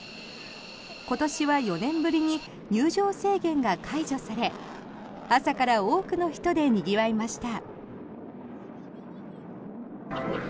今年は４年ぶりに入場制限が解除され朝から多くの人でにぎわいました。